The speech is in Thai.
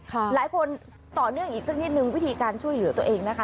หลายคนต่อเนื่องอีกสักนิดนึงวิธีการช่วยเหลือตัวเองนะคะ